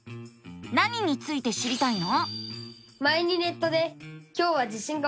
何について知りたいの？